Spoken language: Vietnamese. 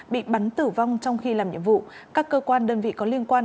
bị bắn tử vong trong khi làm nhiệm vụ các cơ quan đơn vị có liên quan